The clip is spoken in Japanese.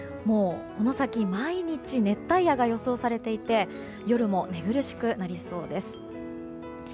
この先、毎日熱帯夜が予想されていて夜も寝苦しくなりそうです。